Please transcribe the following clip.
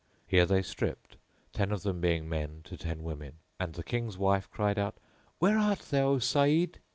Here they stripped, ten of them being men to ten women, and the King's wife cried out, "Where art thou, O Saeed?"